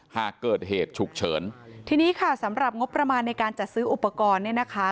หากเกิดเหตุฉุกเฉินทีนี้ค่ะสำหรับงบประมาณในการจัดซื้ออุปกรณ์เนี่ยนะคะ